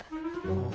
ああ。